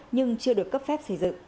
nhưng chưa được cấp phép